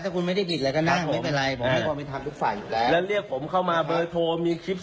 กิโลกรูป